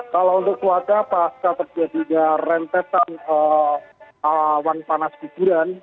kalau untuk cuaca pasca terjadi rentetan awan panas kejuran